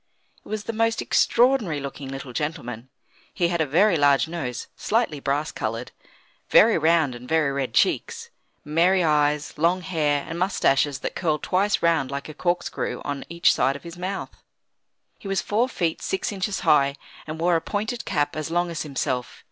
It was the most extraordinary looking little gentleman. He had a very large nose, slightly brass coloured; very round and very red cheeks; merry eyes, long hair, and moustaches that curled twice round like a corkscrew on each side of his mouth. He was four feet six inches high, and wore a pointed cap as long as himself.